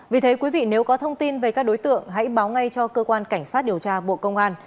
vì thế quý vị nếu có thông tin về các đối tượng hãy báo ngay cho cơ quan cảnh sát điều tra bộ công an